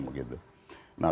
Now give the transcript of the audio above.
nah tentu saja